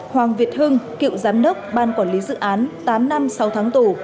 hoàng việt hưng cựu giám đốc ban quản lý dự án tám năm sáu tháng tù